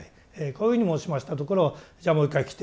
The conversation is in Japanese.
こういうふうに申しましたところじゃあもう一回来てみなさいって。